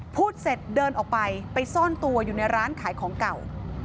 พูดเสร็จเดินออกไปไปซ่อนตัวอยู่ในร้านขายของเก่า